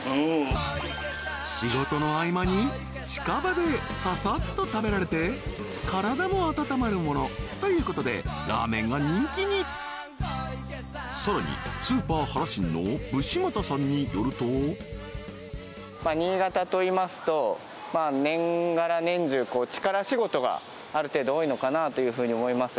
仕事の合間に近場でささっと食べられて体も温まるものということでラーメンが人気にさらにスーパー原信の武士俣さんによると新潟といいますと年がら年中力仕事がある程度多いのかなというふうに思います